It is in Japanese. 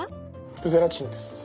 ゼラチンです。